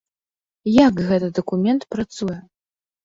Як гэты дакумент працуе?